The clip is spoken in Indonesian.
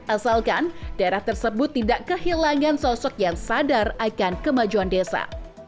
asalkan daerah tersebut tidak kehilangan sosok yang sadar akan kemajuan desa